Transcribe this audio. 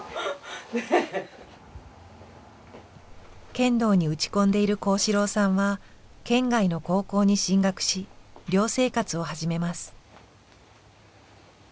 剣道に打ち込んでいる甲子郎さんは県外の高校に進学し寮生活を始めます。